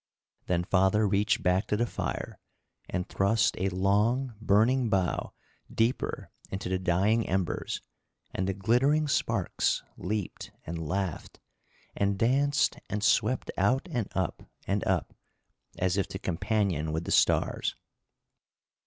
Then father reached back to the fire and thrust a long, burning bough deeper into the dying embers and the glittering sparks leaped and laughed and danced and swept out and up and up as if to companion with the stars.